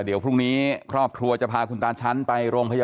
เป็นอะไรอย่างเนี่ยค่ะ